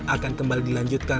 akan kembali dilakukan